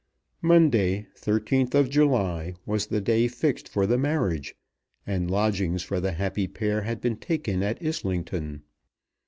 Monday, 13th of July, was the day fixed for the marriage, and lodgings for the happy pair had been taken at Islington.